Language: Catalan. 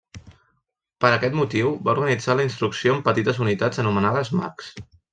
Per aquest motiu, va organitzar la instrucció en petites unitats anomenades marcs.